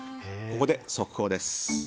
ここで速報です。